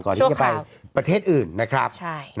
ก่อนที่จะไปประเทศอื่นนะครับ